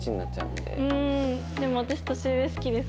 でも私年上好きです。